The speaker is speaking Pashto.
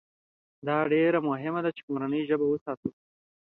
دا مهمه ده چې مورنۍ ژبه وساتو.